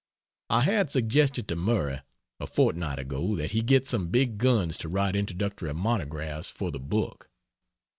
I had suggested to Murray a fortnight ago, that he get some big guns to write introductory monographs for the book.